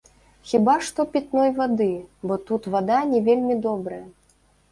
Хіба што пітной вады, бо тут вада не вельмі добрая.